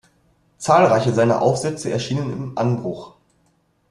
Zahlreiche seiner Aufsätze erschienen im "Anbruch".